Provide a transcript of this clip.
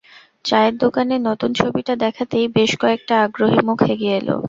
চায়ের দোকানে নতুন ছবিটা দেখাতেই বেশ কয়েকটা আগ্রহী মুখ এগিয়ে এল।